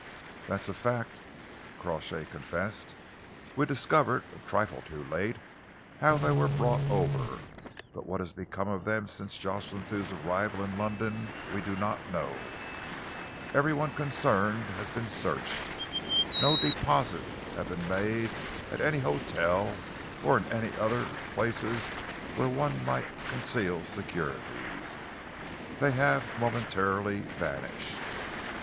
"That's a fact," Crawshay confessed. "We discovered, a trifle too late, how they were brought over, but what has become of them since Jocelyn Thew's arrival in London we do not know. Every one concerned has been searched, no deposit has been made at any hotel or in any of the ordinary places where one might conceal securities. They have momentarily vanished."